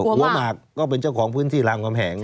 หมากก็เป็นเจ้าของพื้นที่รามกำแหง